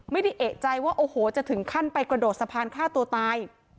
ไม่ได้เอกใจว่าโอ้โหจะถึงขั้นไปกระโดดสะพานฆ่าตัวตาย